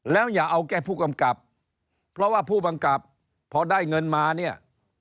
แล้วอย่าเอาแค่ผู้กำกับเพราะว่าผู้บังกับพอได้เงินมาเนี่ย